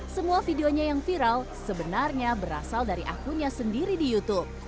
semua videonya yang viral sebenarnya berasal dari akunnya sendiri di youtube